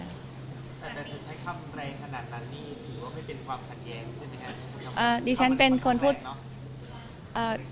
แต่ถ้าจะใช้คำแรงขนาดนั้นนี่ดีว่าไม่เป็นความขัดแย้งใช่ไหมคะ